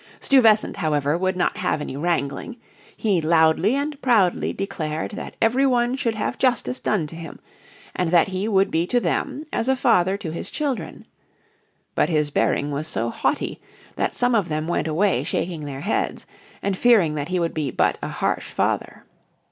Stuyvesant, however, would not have any wrangling; he loudly and proudly declared that every one should have justice done to him, and that he would be to them as a father to his children. But his bearing was so haughty that some of them went away shaking their heads, and fearing that he would be but a harsh father.